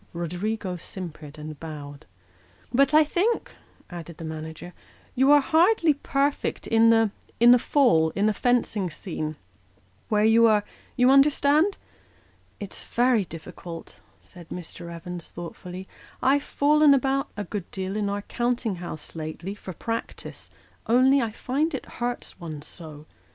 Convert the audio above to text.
Roderigo simpered and bowed. " But I think," added the manager, " you are hardly perfect in the fall in the fencing scene, where you are you understand ?"" It's very difficult," said Mr. Evans, thoughtfully ;" I've fallen about, a good deal, in our counting house lately, for practice, only I find it hurts one so.